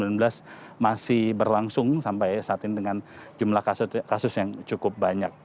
covid sembilan belas masih berlangsung sampai saat ini dengan jumlah kasus yang cukup banyak